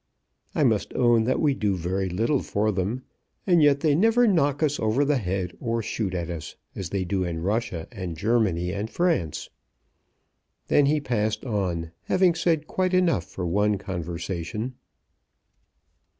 I must own that we do very little for them, and yet they never knock us over the head or shoot at us, as they do in Russia and Germany and France." Then he passed on, having said quite enough for one conversation.